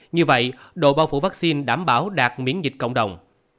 như vậy độ bao phủ vaccine đảm bảo đạt miễn dịch cộng đồng